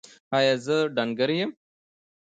ایا زه ډنګر یم؟